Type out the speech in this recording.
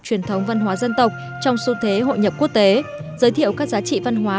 truyền thống văn hóa dân tộc trong xu thế hội nhập quốc tế